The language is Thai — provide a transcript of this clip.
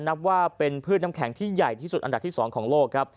นับว่าเป็นพืชน้ำแข็งที่ใหญ่ที่สุดอันดับที่๒ของโลกครับ